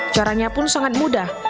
caranya pun sangat mudah